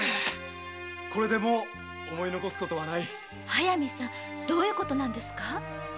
速水さんどういうことなんですか？